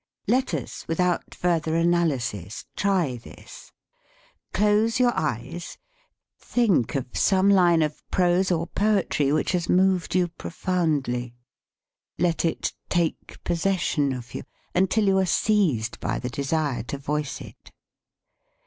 Let us, without further analysis, try this. Close your eyes, think of some line of prose or poetry which has moved you profoundly; let it take possession of you until you are seized by the desire to voice it.